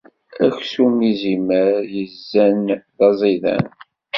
Aksum n yizimer yezzan d aẓidan.